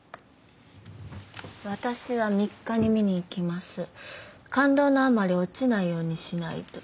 「私は３日に見に行きます」「感動のあまり落ちないようにしないと」